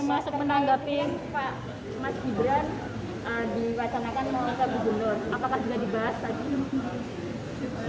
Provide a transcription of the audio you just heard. termasuk menanggapi pak mas gibran diwacanakan mengatakan di gunur apakah juga dibahas tadi